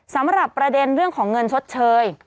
สำหรับประเด็นเรื่องของเงินชดเชย